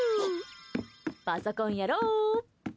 パソコンやろう。